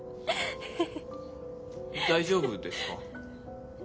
大丈夫ですか？